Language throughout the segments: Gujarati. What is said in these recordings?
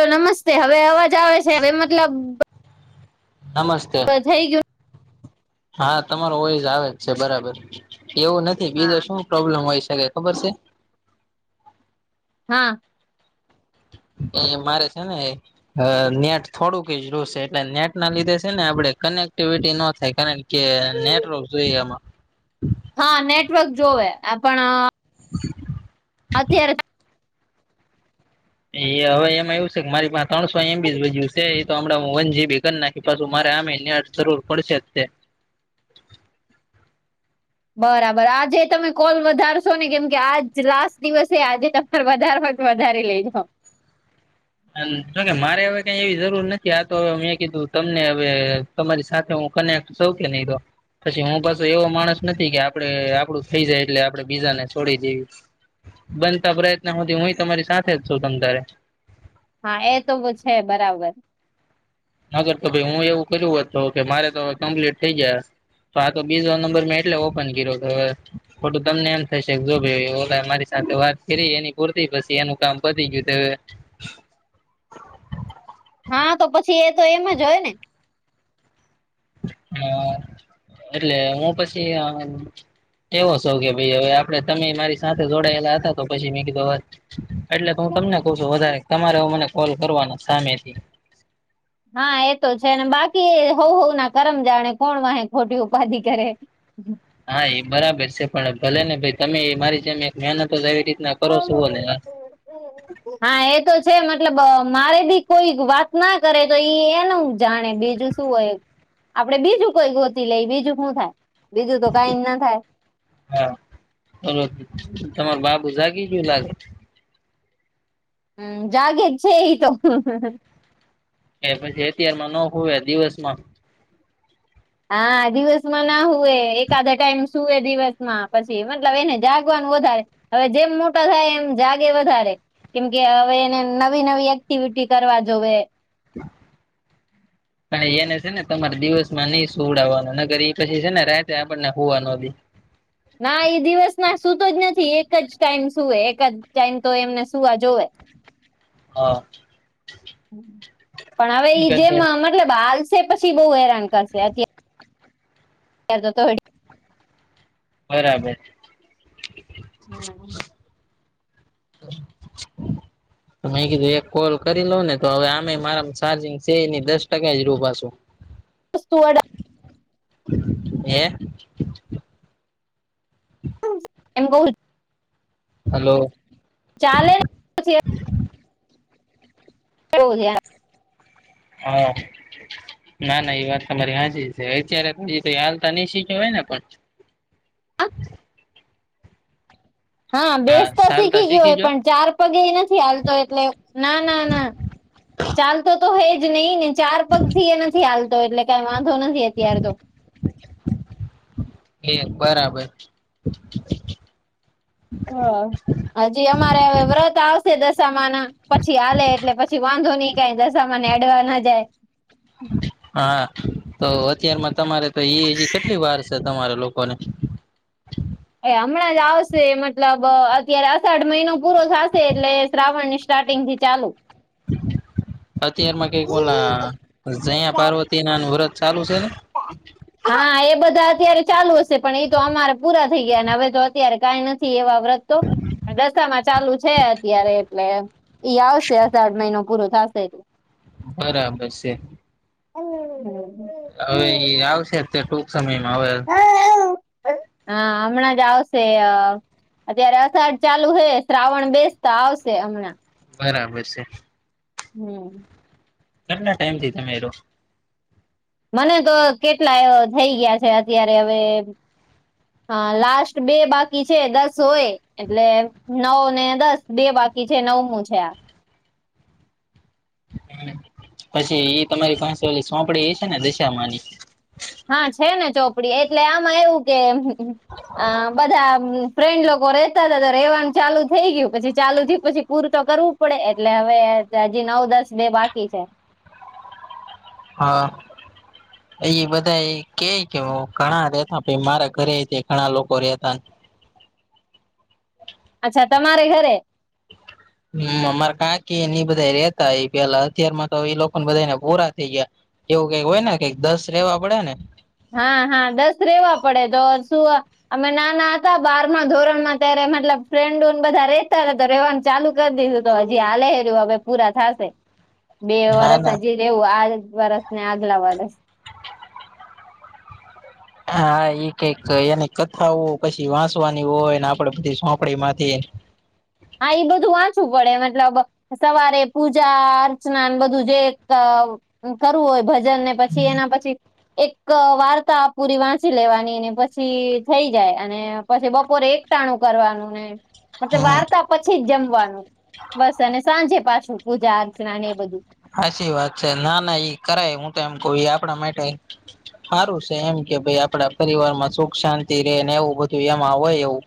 તો નમસ્તે. હવે અવાજ આવે છે, હવે મતલબ નમસ્ત હવે થઈ ગ્યુ હા તમારો વોઈઝ આવે જ છે બરબર. એવું નથી બીજો હા. શું પ્રોબ્લેમ હોય શકે ખબર સે? હા. એ મારે સે ને એ હ નેટ થોડુંક જ રિયું સે એટલે નેટ ના લીધે છે ને આપણે કનેક્ટિવિટી નો થાય, કારણ કે નેટવર્ક જોઈ આમાં. હા નેટવર્ક જોવે. એ પણ અત્યારે ઈ હવે એમાં એવું સે કે મારી પાહે ત્રણસો એમ બી જ વધ્યું સે તો હમણાં હું વન જી બી કર નાખી. પાછું મારે આમેય નેટ જરૂર પડશે જ તે. બરાબર. આજે તમે કોલ વધારશો ને, કેમ કે આજ લાસ્ટ દિવસ હે. આજે તમ વધારવા હોય તો વધારી લેજો. અન જોકે મારે હવે કાંઈ એવી જરૂર નથી. આ તો હવે મેં કીધું તમને હવે તમારી સાથે હું કનેક્ટ છોવ કે નહીં રો, પછી હું પાછો એવો માણસ નથી કે આપણે આપણું થઈ જાય એટલે આપણે બીજાને છોડી દેવી. બનતા પ્રયત્ન હુંધી હુઈ તમારી સાથે જ છું જ તમ તારે. હા એ તો બ છે બરાબર. નકર તો ભઈ હું એવું કર્યું હોત તો કે મારે તો હવે કમ્પ્લીટ થઇ ગયા તો આ તો બીજો નંબર મેં એટલે ઓપન કઈરો કે, હવે ખોટું તમને એમ થઈશે કે જો ભઈ ઓલાં એ મારી સાથે વાત કરી એની પૂર્તી, પછી એનું કામ પતી ગિયું તો હવે હા તો પછી એ તો એમ જ હોય ને. હા. એટલે હું પછી અમ્મ એવો સોવ કે ભઈ હવે આપડે તમેઈ મારી સાથે જોડાયેલા હતા તો પછી મે કીધું હવે એટલેત હું તમને કહુ છું વધારે કે તમારે હવે મને કોલ કરવાનો સામેથી. હા એ તો છે. ને બાકી હોઉ-હોઉ ના કરમ જાણે. કોણ વાહે ખોટી ઉપાધિ કરે. [inaudible] હા ઈ બરાબર છે. પણ હવે ભલે ને ભઈ તમેઈ મારી જેમ એક મહેનત જ એવી રીતના કરો સો ને [inaudible] હા એ તો છે. મતલબ મારે બી કોઈ વાત ના કરે તો ઈ એનું હું જાણે બીજું શ શું હોય. આપણે બીજું કોઈ ગોતી લેહી. બીજું હું થાય? બીજું તો કંઈ ના થાય. હા, તમારો બાબો જાગી ગિયો લાગે? હમ્મ, જાગે જ છે ઈ તો. એ પછી અત્યારમાં ન હૂવે દિવસ માં હા, દિવસમાં ના હૂવે, એકાદા ટાઈમ સૂવે દિવસમાં પછી મતલબ એને જાગવાનું વધારે હવે જેમ મોટા થાય એમ જાગે વધારે. કેમકે હવે એને નવી નવી એક્ટિવિટી કરવા જોવે. [inaudible] [inaudible] પણ એને છે ને તમારે દિવસ ના નઈ સુવળાવાનો નકર ઇ પછી છે ને રાયતે આપણને નો હુવાનો દેય. ના એ દિવસ ના સુતો જ નથી એક જ ટાઈમ સુવે એક જ ટાઈમ તો એમને સુવા જોવે. [inaudible] પણ હવે ઈ જેમ એટલે બાલશે પછી બોવ હેરાન કરશે. તો જતો હોય બરાબર. હમ્મ. [inaudible] મે કીધું એક કોલ કરી લઉ ને તો હવે આમેય મારામાં સાર્જિંગ શેયની દસ ટકા જ રયુ પાસુ. [unintelligible] હે? એમ કઉ હાલો. ચાલે. એવું હે. હા. ના ના ઇ વાત તમારી હાચી છે અત્યારે દી કય હાલતા ની શીખે હોય ને પણ. હં હા બેસત ચાલતા શીખી ગ્યો હોય ગયો પણ ચાર પગે ઇ નથી હાલતો એટલે ના, ના, ના, ચાલતો તો હેજ નઇ ને ચાર પગ થી યે નથી હાલતો એટલે કાઈ વાંધો નથી અત્યારે તો. એક બરાબર. [inaudible] હ હજી હમારે હવે વરત આવશે દશામા ના પછીહાલે એટલે પછી વાંધો ની કાઈ દસામાને એડવા ના જાય. હા. તો અત્યારમાં તમારે તોઇ કેટલી વાર શે તમારે લોકોને? એ હમણાં જ આવશે મતલબ અત્યારે અસાઠ મહિનો પૂરો થાશે એટલે શ્રાવણ નિ્શ સ્ટાર્ટિંગ થી ચાલુ. અત્યાર માં કઈક ઓલા ઝંયા પાર્વતી ના નું વ્રત ચાલુ શે ને. [inaudible] હા એ બધા અત્યારે ચાલુ હશે પણ ઇ તો હમારે પૂરા થઈ ગયાને હવે તો અત્યારે કાઈ નથ થી એવા વ્રતો આ દશામાં ચાલુ છે અત્યારે એટલે ઈ આવશે અષાઢ મઇનો પૂરો થાશે એટલે બરાબર શે [unintelligible] હવે ઇ આવશે તે ટૂંક સમયમાં હવે [inaudible] હા હમણાં જ આવશેય અત્યારે અષાઢ ચાલુ હે શ્રાવણ બેસ્તા આવશે અમણાં બરાબર શે હમ્મ. કેટલા ટાઈમ થી તમે રો મને તો કેટલાય અ થઈ ગયા શે અત્યારે હવે હા લાસ્ટ બે બાકી છે દસ હોય એટલે નવ ને દસ બે બાકી છે નવમું છે આ પછી એ તમારી સોંપડી ને દશામાંની હા છે ને ચોપડી એટલે આમાં એવું કે આ બધા ફ્રેન્ડ લોકો રેતા હતા તો રહેેવાનું ચાલુ થઈ ગયું પછી ચાલુ થી પછી પૂર તો કરવું પડે એટલે હવે હજી નવ દસ બે બાકી છે. હા. એ બધા એ કે કે હ ઘણા રેતા પે મારા ઘરે ઘણા લોકો રેતા અચ્છા તમારે ઘરે હમ્મ અમાર કાંકી બધા રેતા એ પેલા અત્યાર માં તો એ લોકો બધાને પૂરા થઈ ગયા એવું કઈક હોય ને કઈક દસ રેવા પડે ને હા હા દસ રેવા પડે તો શું અમે નાના હતા બારમાં ધોરણમાં ત્યારે મતલબ ફ્રેન્ડને બધા રેતા હતા તો રહેવાનું ચાલુ કરી દીધું તો હજી હાલે હજી હવે પૂરા થશે બે ના ના વરસ હજી રહેવું આ વરસ ને આગલા વરસ હા એકઈક એની કથાઓ પછી વાંસવાની હોય ને આપડે બધી સોંપડી માંથી હા એ બધું વાંચવું પડે મતલબ સવારે પૂજા અર્ચના બધું જે ક કરવું હોય ભજન જન ને પછી એના પછી એક ક એક વાર્તા પૂરી વાંચી લેવાની પછી થઈ જાય અને પછી બપોરે એક ટાણું કરવાનું ને પછી હમ વાર પછી જ જમવાનું બસ અને સાંજે પાછું પૂજા અર્ચના ને એ બધું સાચી વાત છે ના ના ઈ કરાય હું તો એમ કઉ એ આપણા માટે સારું છે એમ કે ભાઈ આપડા પરિવારમાં સુખ શાંતિ રે ને એવું બધું એમાં હોય એવું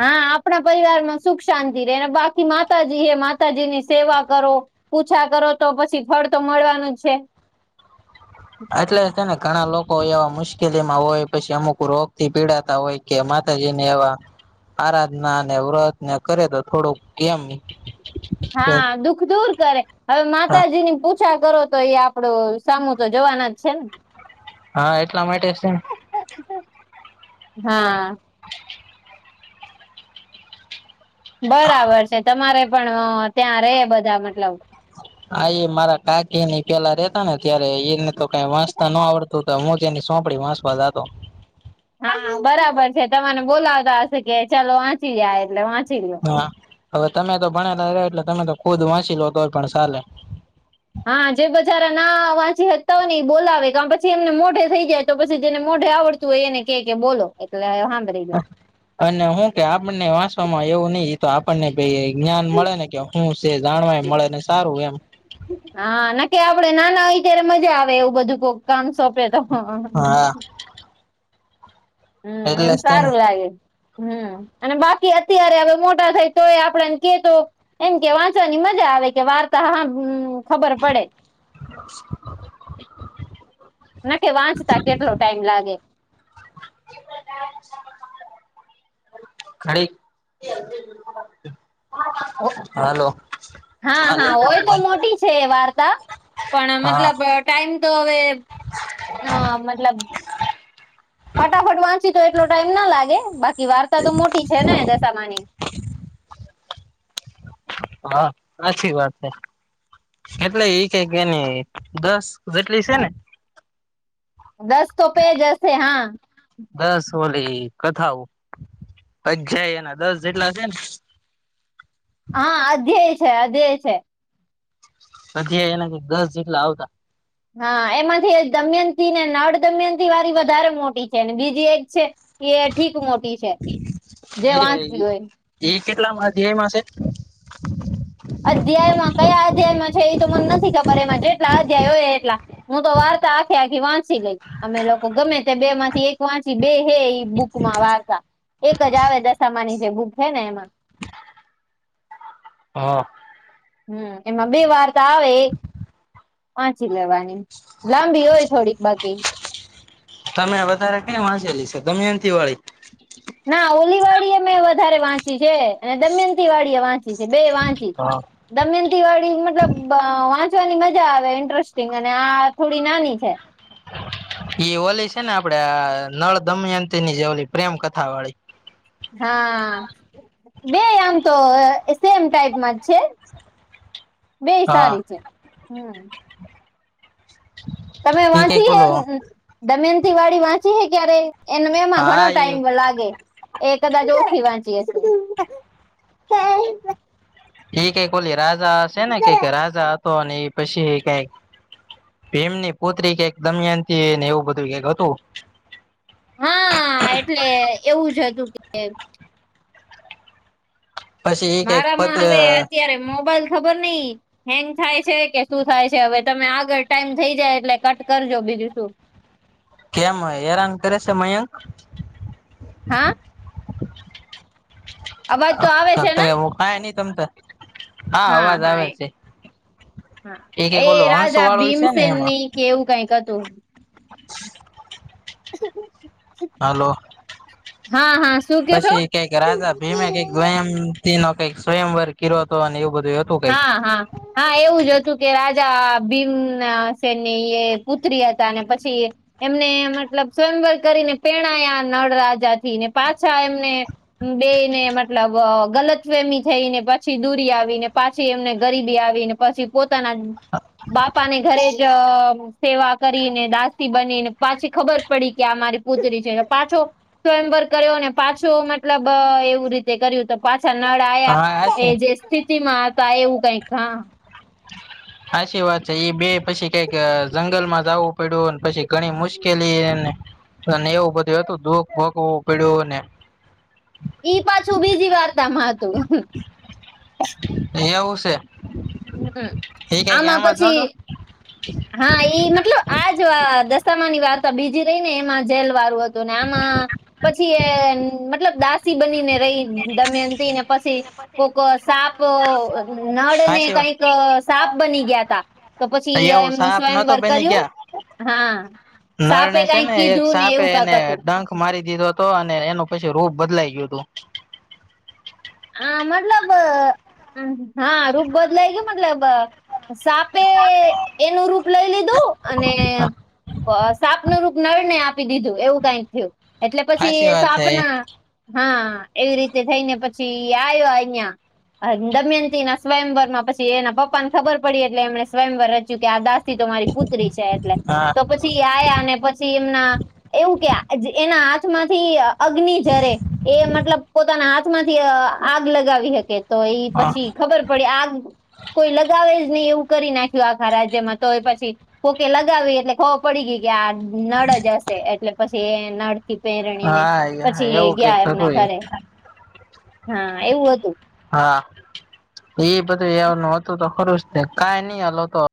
હા આપણા પરિવારમાં સુખ શાંતિ રહે બાકી માતાજી હે માતાજી ની સેવા કરો પૂછા કરો તો પછી ફળ તો મળવાનું જ છે. એટલે છે ને ઘણા લોકો એવા મુશ્કેલી માં હોય પછી અમુક રોગ થી પીડાતા હોય. કે માતાજી ને એવા આરાધના અને વ્રતને કરે તો થોડુંક કેમ હા દુઃખ દૂર કરે હવે માતાજી ની પૂજા કરો તો એ આપડો સામું તો જવાના જ છે ને હા એટલા માટે છે ને [inaudible] હા. [inaudible] બરાબર છે તમારે પણ ત્યાં રે બધા મતલબ હા ઈ મારા કાકીની પેલા રેતા ને ત્યારે એને તો કાંઈ વાંચતા ન આવડતું હું તેણી સોંપડી વાચવા જાતો હા બરાબર છે તમને બોલાવતા હશે કે ચાલો વાંચી જાય એટલે વાંચી લોયો હા હવે તમે તો ભણેલા રે એટલે તમે તો ખુદ વાંચી લો તોય પણ ચાલે હા જે બજારા ના વાંચીતા સકતા એ બોલાવે કાર પછી એમને મોઢે થઈ જાય તો પછી જેને મોઢે આવડ તું એને કે કે બોલો એટલે હા અને હું કે આપને વાંચવામાં એવું ની તો આપણને ભાઈ જ્ઞાન મળે ને કે શું છે જાણવાયમ મળે ને સારું એમ હા ના કે આપડે નાના હોય ત્યારે મજા આવે એવું બધું કોક કામ સોંપે તો હા હમ્મ એમ એટલે જ તેને સારું લાગે હમ્મ અને બાકી અત્યારે હવે મોટા થાય તોય આપડને કે તો એમ કે વાંચવાની મજા આવે કે વાર્તા હા ખબર પડે [inaudible] ના કે વાંચતા કેટલો ટાઈમ લાગે તો દાલ ચાવલ ખાવાનાં હોય ઘડીક હાલો હા હા [unintelligible] હોય તો મોટી છે વાર્તા પણ હા મતલબ ટાઈમ તો હવે અ મતલબ ફટાફટ વાંચી તો એટલો ટાઈમ ના લાગે બાકી વાર્તા તો મોટી છે ને દશામાંની હા સાચી વાત હે એટલે એ કૈંકી એની દસ જેટલી સે ને દસ તો પેજ હસે હા દસ ઓલી કથાવું [unintelligible] છે એના દસ જેટલા હશે ને હા અધ્યાય છે અધ્યાય છે. અધ્યાય એના કઈક દસ જેટલા આવતા હા એમાંથી દમયંતી ને નળ દમયંતીવાળી વધારે મોટી છે બીજી એક છે. એ ઠીક મોટી છે જે વાંચવી હોય એ કેટલામા અધ્યામાં છે? અધ્યાયમાં કયા અધ્યાયમાં છે, એ તો મને નથી ખબર એમાં અધ્યાય હોય એટલા હું તો વાર્તા આખે આખી વાંચી ગઈ અમે લોકો ગમે તે બે માંથી એક વાંચી બે હેઈ બુકમાં વાર્તા એક જ આવે દશામાની જે બુક હે ને એમાં હા હમ્મ એમાં બે વાર્તા આવે એ વાંચી લેવાની લાંબી હોય થોડીક બાકી તમે વધારે ક‌ઈ વાંચેલી છે, દમયંતીવાળી? ના ઓલી વાળી એ મેં વધારે વાંચી છે અને દમયંતી વાળી એ વાંચ ચી બેય વાંચી હા દમયંતીવાળી મતલબ વાંચવાની મજા આવે ઇન્ટરેસ્ટિંગ અને આ થોડી નાની છે. એઈ ઓલી છે ને આપડે નળ દમયંતીની જે ઓલી પ્રેમકથા વાળી હા બેય આમ તો સેમ ટાઈપમાં જ છે. બેય હા સારી છે હમ્મ તમે એ વાંચી કઈક હે ઓલું દમયંતીવાળી વાંચી હે ક્યારેય? એન મેમાં ઘણો હા એ ટાઈમ લાગે એ કદાચ ઓછી વાંચી હશે [unintelligible] એ કૈંક ઓલી રાજા હશે ને કૈંક રાજા હતો અને એ પછી ઐ કૈંક ભીમની પુત્રી કંઈક દમયંતી ને એવું બધું કંઈક હતું હા એટલે એવું જ હતું કે પછી એ કઈક પત મારામાં હવે અત્યારે મોબાઈલ ખબર નઈ હેંગ થાય છે કે શું થાય છે? હવે તમે આગળ ટાઈમ થઈ જાય એટલે કટ કરજો બીજું શું? કેમ હેરાન કરે છે મયંક? હા અવાજ તો આવે હા છે તો ને એવું કાય ન‌ઈ તમતારે. હા અવાજ હા આવે એ છે. હા એ કઈક ઓલો હંસો રાજા વાળો છે ને એમાં ભીમસેનની કેવું કાઈક હતું [unintelligible] હલો હા હા શું કે છો પછી કંઈક રાજા ભીમે ક‌ઈંક એમ એનો કંઈક સ્વયંવર કયરોતો અને એવું બધુંય હતું કઈક હા હા હા એવું જ હતું કે રાજા ભીમના સેનની એ પુત્રી હતા અને પછી એમને મતલબ સ્વયંવર કરીને પયણાયા નળ રાજાથી ને પાછા એમને બેય ને મતલબ ગલતફેમી થઈને પછી દૂરી આવીને પાછી એમને ગરીબી આવીને પછી પોતાના બાપાને ઘરે જ સેવા કરીને દસ્ી બનીને પાછી ખબર પડી કે આ મારી પુત્રી છે પાછો સ્વયંવર્ કર્યો ને પાછો મતલબ એવું રીતે તે કર્યું તો પાછા નળ હા આ્યા એ આશી જે સ્થિતિમાં હતા એવું કઈક હા સાચી વાત છે એ બે પછી કઈક જંગલ માં જવું પડ્યું પછી ઘણી મુશ્કેલીને અને એવું બધું હતું દુઃખ ભગવું પડ્યું ને ઈ પાછું બીજી વાર્તામાં હતું. અહ આવવું છે. હમ હ. એ ક કે આમ વાત નતો. હા ઈ મતલબ આજ દશામા ની વાર્તા બીજી રહી ને એમાં જેલ વાળું હતું. ને આમાં પછી એ મતલબ દાસી બનીને રહી દમયંત ને પછી કોઈક સાપ નળ ને હાચી કઈક બની ગયા તા તો પછી એવું એમનું સાપ નતો સ્વયંવર બેની કર્યું કયા હા સાપે નળણે છે કઈક ને એક કીધું ને સાપે એવું કાક એને હતું ડંખ મારી દીધો હતો. તો અને એનું પછી રોપ બદલાઈ ગયું હતું. આ મતલબ હા રૂપ બદલાય ગય મતલબ સાપે એનું રૂપ લઈ લીધું અને સાપનું રૂપ નળને આપી દીધું એવું કઈક થયું એટલે હાચી પછી વાત છે સાપ એ ના હા એવી રીતે થઈને પછી આવ્યો અહં દમયંતી ના સ્વયંવર પછી એના પપ્પાને ખબર પડી એટલે એમણે સ્વયંવર રચ્યું કે આ દાસ રી પુત્રી છે એટલે હા તો પછી આયા અને પછી એમના એવું કે એના હાથમાંથી અગ્નિ જરે મતલબ પોતાના આગ લગાવી શકે. તો એ હા પછી ખબર પડી આગ કોઈ લગાવે જ નઈ એવું કરી નાખ્યું આખા રાજ્યમાં તોય પછી કોકે લગાવી એટલે [unintelligible] પડી ગઈ કે આ નળ જ હશે એટલે પસી એ નળ કી પેરણીને હા પછી એ એવું કઈક ગયા એમના હતું એ ઘરે હા એવું હતું હા એ બધુંય એવનું હતું તો ખરું જ તે કાંઈ નઈ હલો તો